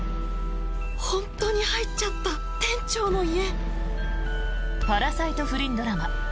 本当に入っちゃった店長の家。